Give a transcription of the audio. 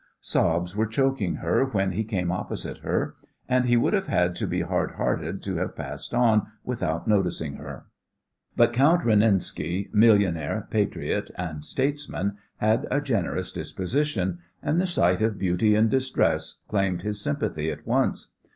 Sobs were choking her when he came opposite her, and he would have had to be hard hearted to have passed on without noticing her. But Count Renenski, millionaire, patriot and statesman, had a generous disposition, and the sight of beauty in distress claimed his sympathy at once.